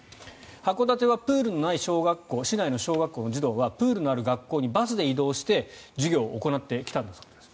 函館はプールのない市内の小学校の児童はプールのある学校にバスで移動して授業を行ってきたんです。